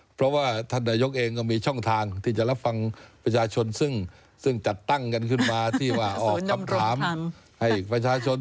เพราะว่าท่านนายกเองก็มีช่องทางที่จะรับฟังประชาชนซึ่งจัดตั้งกันขึ้นมาที่ว่าออกคำถามให้ประชาชน